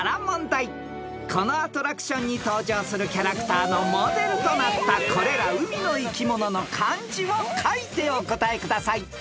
［このアトラクションに登場するキャラクターのモデルとなったこれら海の生き物の漢字を書いてお答えください］